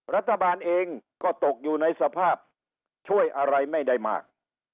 รัฐบาลเองก็ตกอยู่ในสภาพช่วยอะไรไม่ได้มาก